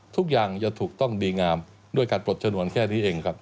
ทุกอย่างจะถูกต้องดีงามด้วยการปลดฉนวนแค่นี้เองครับ